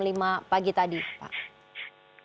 pertama pagi tadi pak